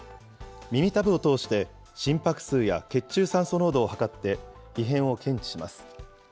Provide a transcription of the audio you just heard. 耳たぶを通して、心拍数や血中酸素濃度を測って異変を検知します。